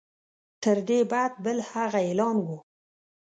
تر دې بد بل هغه اعلان وو.